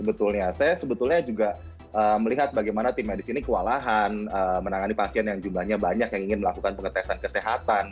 sebetulnya saya sebetulnya juga melihat bagaimana tim medis ini kewalahan menangani pasien yang jumlahnya banyak yang ingin melakukan pengetesan kesehatan